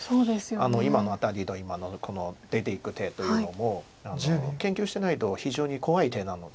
今のアタリと今のこの出ていく手というのも研究してないと非常に怖い手なので。